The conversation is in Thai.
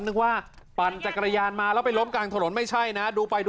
นึกว่าปั่นจักรยานมาแล้วไปล้มกลางถนนไม่ใช่นะดูไปดู